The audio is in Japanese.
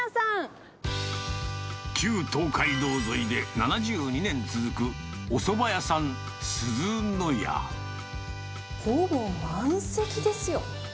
旧東海道沿いで７２年続くおそば屋さん、ほぼ満席ですよ。